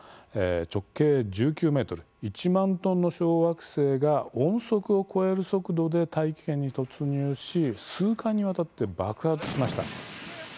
直径１９ｍ、１万トンの小惑星が音速を超える速度で大気圏に突入し数回にわたって爆発しました。